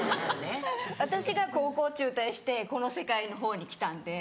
私が高校中退してこの世界の方にきたんで。